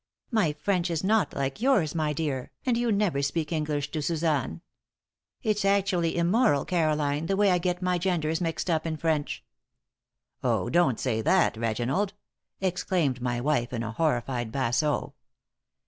My French is not like yours, my dear, and you never speak English to Suzanne. It's actually immoral, Caroline, the way I get my genders mixed up in French." "Oh, don't say that, Reginald!" exclaimed my wife, in a horrified basso.